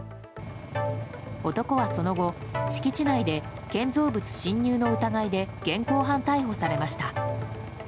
男はその後、敷地内で建造物侵入の疑いで現行犯逮捕されました。